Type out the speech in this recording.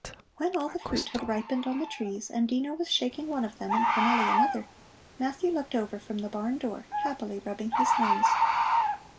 When all the fruit had ripened on the trees and Dino was shaking one of them and Cornelli another, Matthew looked over from the barn door, happily rubbing his hands.